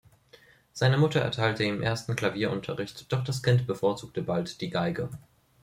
Seine Mutter erteilte ihm ersten Klavierunterricht, doch das Kind bevorzugte bald die Geige.